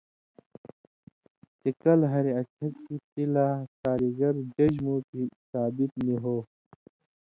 چے کلہۡ ہاریۡ اڅَھکیۡ تِلا ثالیۡگر (جج) مُوٹھی ثابِت نی ہو،